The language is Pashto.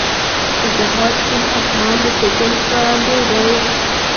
• د سهار سپین اسمان د سکون ښکارندوی دی.